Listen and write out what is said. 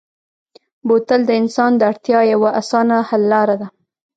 بوتل د انسان د اړتیا یوه اسانه حل لاره ده.